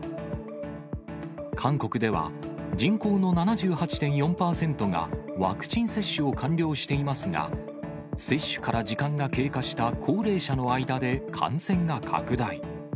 韓国では、人口の７８．４％がワクチン接種を完了していますが、接種から時間が経過した高齢者の間で、感染が拡大。